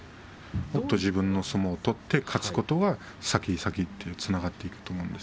自分の相撲を取って勝つことが先へ先へつながっていくと思います。